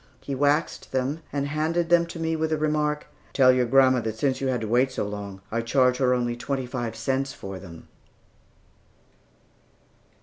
He waxed them, and handed them to me with the remark, "Tell your grandma that since you had to wait so long, I charge her only twenty five cents for them."